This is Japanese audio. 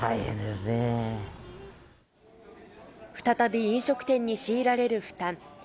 再び飲食店に強いられる負担。